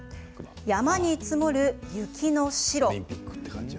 山に積もる雪の白。